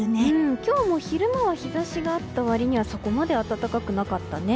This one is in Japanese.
今日も昼間は日差しがあった割にはそこまで暖かくなかったね。